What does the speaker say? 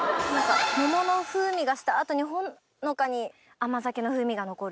桃の風味がした後にほのかに甘酒の風味が残る。